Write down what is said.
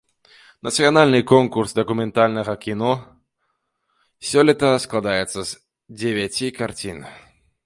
Нацыянальны конкурс дакументальнага кіно сёлета складаецца з дзевяці карцін.